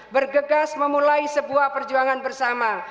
bergegas memulai sebuah perjuangan bersama